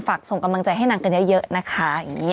ฝากส่งกำลังใจให้นางกันอย่าเยอะนะคะ